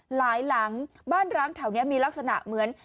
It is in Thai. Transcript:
หลังบ้านร้างแถวนี้มีลักษณะเหมือน